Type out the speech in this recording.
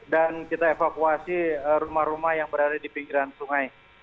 dan kita evakuasi rumah rumah yang berada di pinggiran sungai